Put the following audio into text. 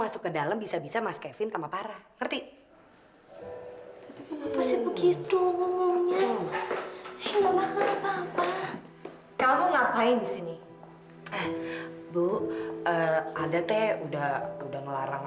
sumpah kita taro